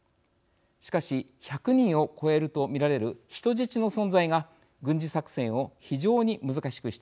しかし１００人を超えると見られる人質の存在が軍事作戦を非常に難しくしています。